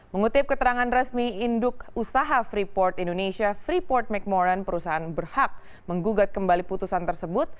mengutip keterangan resmi induk usaha freeport indonesia freeport mcmoran perusahaan berhak menggugat kembali putusan tersebut